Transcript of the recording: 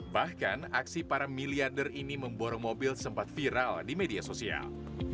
bahkan aksi para miliarder ini memborong mobil sempat viral di media sosial